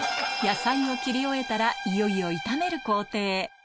野菜を切り終えたらいよいよ炒める工程